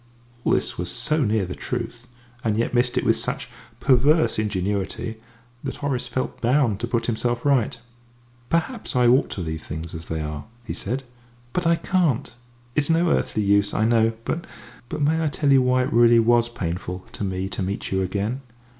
All this was so near the truth, and yet missed it with such perverse ingenuity, that Horace felt bound to put himself right. "Perhaps I ought to leave things as they are," he said, "but I can't. It's no earthly use, I know; but may I tell you why it really was painful to me to meet you again?